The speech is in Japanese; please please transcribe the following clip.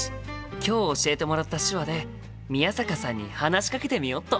今日教えてもらった手話で宮坂さんに話しかけてみよっと！